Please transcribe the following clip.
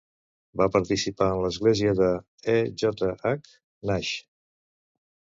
Va participar en l'església de E. J. H. Nash.